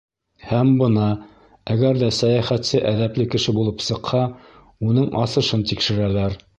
Һәм бына, әгәр ҙә сәйәхәтсе әҙәпле кеше булып сыҡһа, уның асышын тикшерәләр.